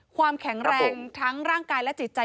ความแข็งแรงทั้งร่างกายและจิตใจ